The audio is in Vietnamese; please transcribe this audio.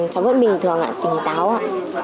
cháu vẫn bình thường ạ tỉnh táo ạ